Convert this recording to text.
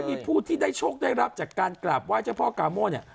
มีผู้ที่ได้โชคได้รับจากการกราบไห้เจ้าพ่อกาโม่เนี่ย